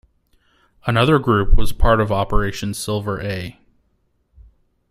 Another group was part of Operation Silver A.